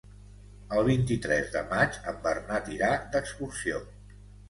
El vint-i-tres de maig en Bernat irà d'excursió.